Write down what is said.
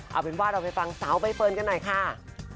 เอาเป็นว่าเราไปฟังสาวใบเฟิร์นกันหน่อยค่ะ